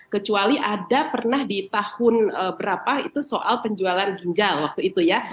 kecuali ada pernah di tahun berapa itu soal penjualan ginjal waktu itu ya